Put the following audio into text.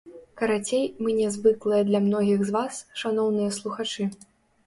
Карацей, мы нязвыклыя для многіх з вас, шаноўныя слухачы.